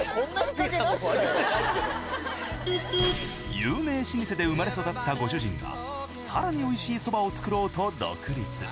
有名老舗で生まれ育ったご主人が更においしいそばを作ろうと独立。